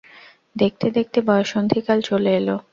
দেখতে দেখতে বয়ঃসন্ধিকাল চলে এলো।